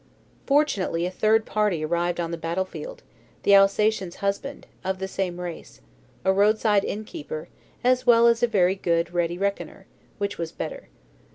Fortunately a third party arrived on the battlefield, the Alsatian's husband, of the same race; a roadside innkeeper, as well as a very good ready reckoner, which was better.